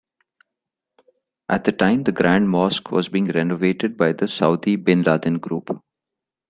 At the time the Grand Mosque was being renovated by the Saudi Binladin Group.